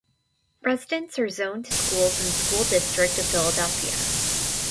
Residents are zoned to schools in the School District of Philadelphia.